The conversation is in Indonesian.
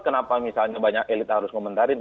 kenapa misalnya banyak elit harus komentarin